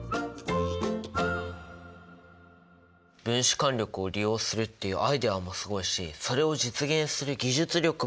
分子間力を利用するっていうアイデアもすごいしそれを実現する技術力もすごいよね。